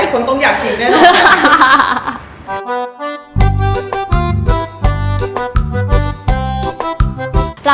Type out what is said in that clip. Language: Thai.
คนต้องอยากชินด้วยนะ